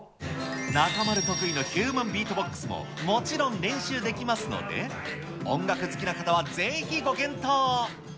中丸得意のヒューマンビートボックスももちろん練習できますので、音楽好きな方はぜひご検討を。